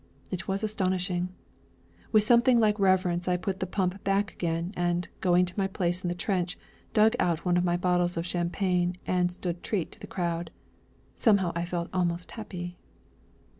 It was astonishing! With something like reverence I put the pump back again, and, going to my place in the trench, dug out one of my bottles of champagne and stood treat to the crowd. Somehow, I felt almost happy.